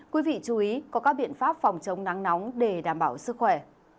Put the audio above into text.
quý vị chú ý có các biện pháp phòng chống nắng nóng để đảm bảo sức khỏe